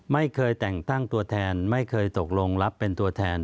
ไม่เคยแต่งตั้งตัวแทนไม่เคยตกลงรับเป็นตัวแทน